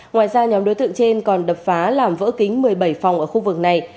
ngoài ra nhóm đối tượng trên còn đập phá làm vỡ kính một mươi bảy phòng ở khu vực này